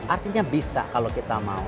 artinya bisa kalau kita mau